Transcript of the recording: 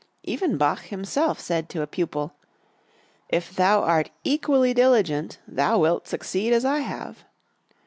Even Bach himself said to a pupil: "If thou art equally diligent thou wilt succeed as I have."